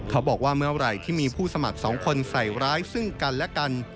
เขาบอกว่าเมื่อไหร่ที่มีผู้สมัครสองคนใส่ร้ายซึ่งกันและกัน